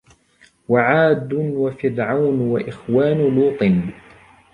وَعَادٌ وَفِرْعَوْنُ وَإِخْوَانُ لُوطٍ